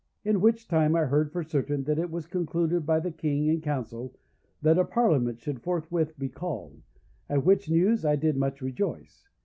"In which time I heard for certain that it was concluded by the King and Council that a Parliament should forthwith be called; at which news I did much rejoice.